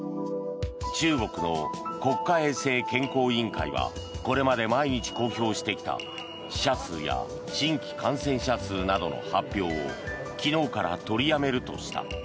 中国の国家衛生健康委員会はこれまで毎日公表してきた死者数や新規感染者数などの発表を昨日から取りやめるとした。